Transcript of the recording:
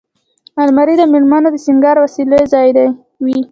الماري د مېرمنو د سینګار وسیلو ځای وي